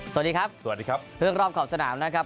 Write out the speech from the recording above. สวัสดีครับสวัสดีครับเรื่องรอบขอบสนามนะครับ